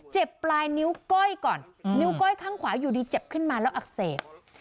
ปลายนิ้วก้อยก่อนนิ้วก้อยข้างขวาอยู่ดีเจ็บขึ้นมาแล้วอักเสบ